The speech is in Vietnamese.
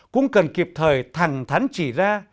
cũng cần kịp thời thẳng thắn chỉ ra